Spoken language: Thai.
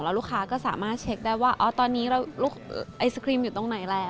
แล้วลูกค้าก็สามารถเช็คได้ว่าตอนนี้ลูกไอศครีมอยู่ตรงไหนแล้ว